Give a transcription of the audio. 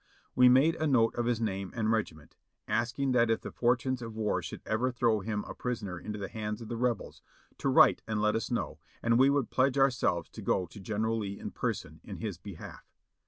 We made a note of his name and regiment, asking that if the for tunes of war should ever throw him a prisoner into the hands of the Rebels, to write and let us know, and we would pledge our selves to go to General Lee in person, in his behalf.